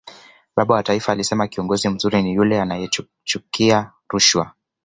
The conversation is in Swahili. baba wa taifa alisema kiongozi mzuri ni yule anayechukia rushwa